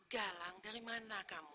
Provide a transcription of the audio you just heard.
galang dari mana kamu